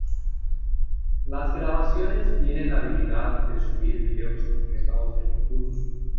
Las grabaciones tienen la habilidad de subir vídeos completados a YouTube.